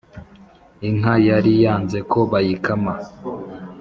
Inka yari yanze ko bayikama